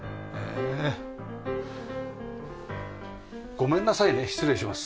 ごめんなさいね失礼します。